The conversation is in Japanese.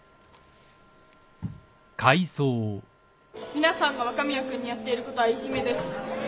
皆さんが若宮君にやっていることはいじめです